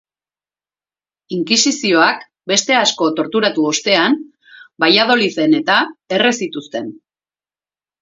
Inkisizioak beste asko torturatu ostean Valladoliden-eta erre zituzten.